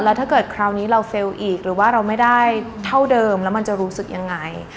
แล้วถ้าเกิดคราวนี้เราเฟลล์อีกหรือว่าเราไม่ได้เท่าเดิมแล้วมันจะรู้สึกยังไง